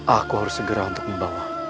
aku harus segera untuk membawa